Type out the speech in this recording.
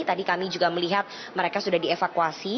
tadi kami juga melihat mereka sudah dievakuasi